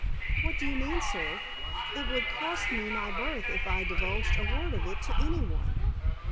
"What do you mean, sir? It would cost me my berth if I divulged a word of it to anyone."